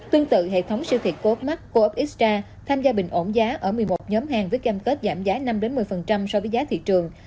tương tự hệ thống siêu thị coopmark coopxtra tham gia bình ổn giá ở một mươi một nhóm hàng với kem kết giảm giá năm một mươi so với giá thị trường